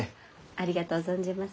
ありがとう存じます。